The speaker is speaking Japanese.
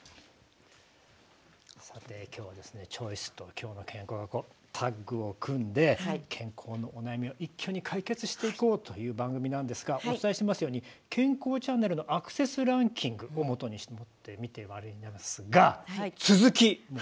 さて今日はですね「チョイス」と「きょうの健康」がタッグを組んで健康のお悩みを一挙に解決していこうという番組なんですがお伝えしていますように「健康チャンネル」のアクセスランキングをもとにして見てまいりますが続きも。